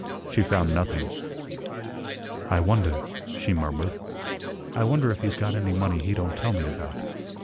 She found nothing. "I wonder," she murmured, "I wonder if he's got any money he don't tell me about.